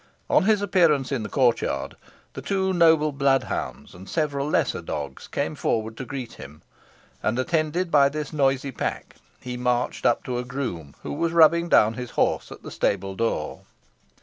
On his appearance in the court yard, the two noble blood hounds and several lesser dogs came forward to greet him, and, attended by this noisy pack, he marched up to a groom, who was rubbing down his horse at the stable door.